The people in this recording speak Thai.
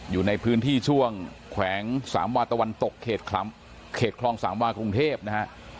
อยู่ในพื้นที่ช่วงแขวงสามวาตะวันตกเขตคลองสามวากรุงเทพนะฮะ